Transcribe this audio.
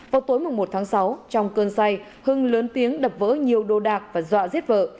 vào tối một tháng sáu trong cơn say hưng lớn tiếng đập vỡ nhiều đồ đạc và dọa giết vợ